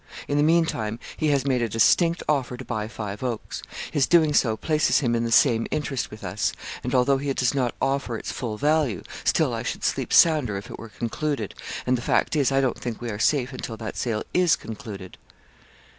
In the meantime, he has made a distinct offer to buy Five Oaks. His doing so places him in the same interest with us; and, although he does not offer its full value, still I should sleep sounder if it were concluded; and the fact is, I don't think we are safe until that sale is concluded.'